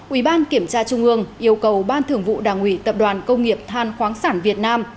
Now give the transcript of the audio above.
ubnd tp hcm yêu cầu ban thưởng vụ đảng ủy tập đoàn công nghiệp than khoáng sản việt nam